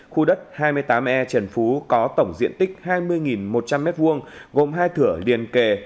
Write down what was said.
khu đất hai mươi tám e trần phú có tổng diện tích hai mươi một trăm linh m hai gồm hai thửa liền kề